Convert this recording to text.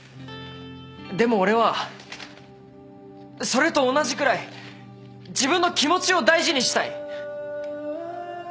でも俺はそれと同じくらい自分の気持ちを大事にしたい。